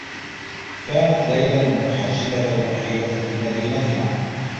كانت ليلى المتحجّبة الوحيدة في مدينتنا.